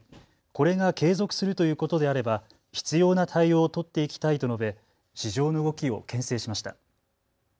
これが継続するということであれば必要な対応を取っていきたいと述べ市場の動きをけん制しました。